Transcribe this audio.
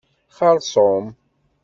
Xerṣum.